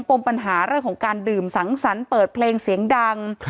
ปมปัญหาเรื่องของการดื่มสังสรรค์เปิดเพลงเสียงดัง